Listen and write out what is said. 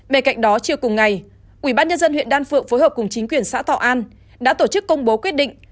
bên cạnh đó chiều cùng ngày ubnd huyện đan phượng phối hợp cùng chính quyền xã thọ an đã tổ chức công bố quyết định